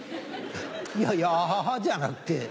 いやアハハじゃなくて。